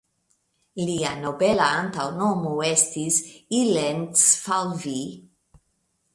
Lia nobela antaŭnomo estis "ilencfalvi".